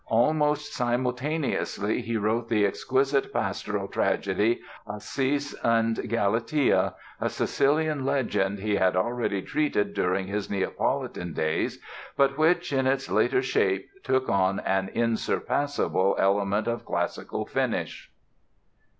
Almost simultaneously he wrote the exquisite pastoral tragedy, "Acis and Galatea", a Sicilian legend he had already treated during his Neapolitan days but which, in its later shape took on an unsurpassable element of classical finish.